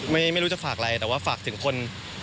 ไม่รู้จะฝากอะไรแต่ว่าฝากถึงคน